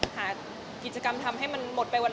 หากิจกรรมทำให้มันหมดไปวัน